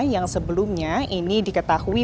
yang sebelumnya ini diketahui